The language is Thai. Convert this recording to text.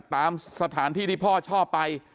ตามสถานที่ที่พ่อชอบไป